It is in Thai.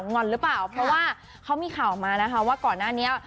งอนหรือเปล่าเพราะว่าเขามีข่าวออกมานะคะว่าก่อนหน้านี้